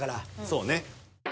そうね。